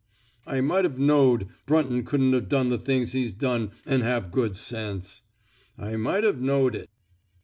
... I might Ve knowed Brunton couldn't 've done the things he's done an' have good sense. I might 've knowed it.